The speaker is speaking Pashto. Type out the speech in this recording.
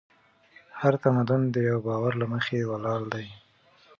هر تمدن د یوه باور له مخې ولاړ دی.